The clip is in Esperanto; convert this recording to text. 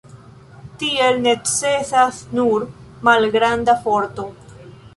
Tiel necesas nur malgranda forto.